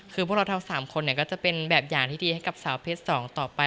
คือพวกเราทั้ง๓คนก็จะเป็นแบบอย่างที่ดีให้กับสาวเพศ๒ต่อไป